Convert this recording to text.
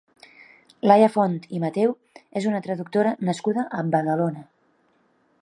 Laia Font i Mateu és una traductora nascuda a Badalona.